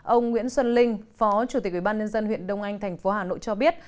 ông nguyễn xuân linh phó chủ tịch ubnd huyện đông anh tp hà nội cho biết